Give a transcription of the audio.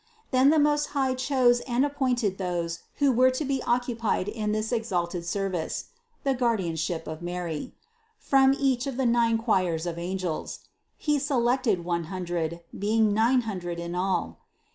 202. Then the Most High chose and appointed those who were to be occupied in this exalted service (the guardianship of Mary) from each of the nine choirs of angels. He selected one hundred, being nine hundred in all.